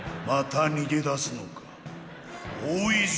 また逃げ出すのか大泉。